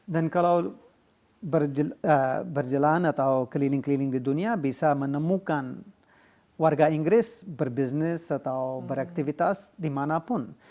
dan kalau berjalan atau keliling keliling di dunia bisa menemukan warga inggris berbisnis atau beraktivitas di mana pun